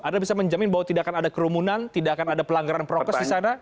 anda bisa menjamin bahwa tidak akan ada kerumunan tidak akan ada pelanggaran prokes di sana